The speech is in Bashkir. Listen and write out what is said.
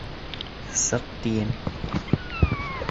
Сыҡ, тием!